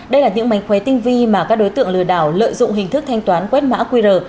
đây là những mánh khóe tinh vi mà các đối tượng lừa đảo lợi dụng hình thức thanh toán quét mã qr